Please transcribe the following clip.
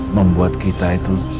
membuat kita itu